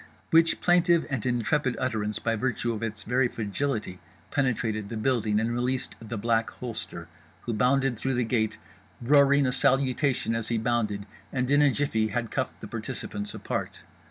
_" which plaintive and intrepid utterance by virtue of its very fragility penetrated the building and released The Black Holster, who bounded through the gate, roaring a salutation as he bounded, and in a jiffy had cuffed the participants apart.